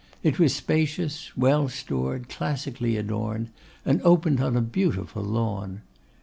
It was spacious, well stored, classically adorned, and opened on a beautiful lawn.